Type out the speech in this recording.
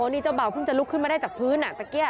นี่เจ้าบ่าวเพิ่งจะลุกขึ้นมาได้จากพื้นตะเกี้